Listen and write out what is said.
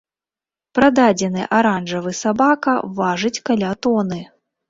Прададзены аранжавы сабака важыць каля тоны.